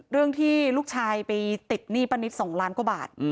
เรื่องที่ลูกชายไปติดหนี้ป้านิต๒ล้านกว่าบาท